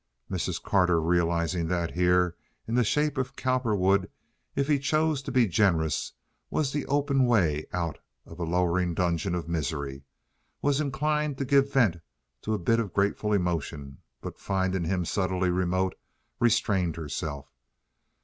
Mrs. Carter, realizing that here, in the shape of Cowperwood, if he chose to be generous, was the open way out of a lowering dungeon of misery, was inclined to give vent to a bit of grateful emotion, but, finding him subtly remote, restrained herself.